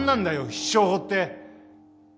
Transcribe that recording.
必勝法って。